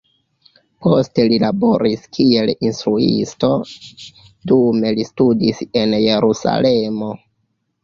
Poste li laboris kiel instruisto, dume li studis en Jerusalemo.